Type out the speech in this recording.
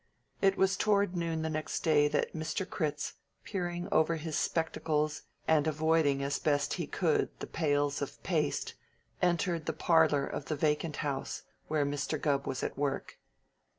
It was toward noon the next day that Mr. Critz, peering over his spectacles and avoiding as best he could the pails of paste, entered the parlor of the vacant house where Mr. Gubb was at work.